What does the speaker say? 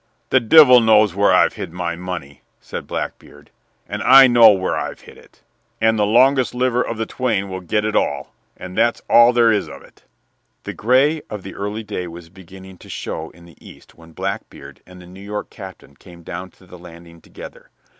"The divil knows where I've hid my money," said Blackbeard, "and I know where I've hid it; and the longest liver of the twain will git it all. And that's all there is of it." The gray of early day was beginning to show in the east when Blackbeard and the New York captain came down to the landing together.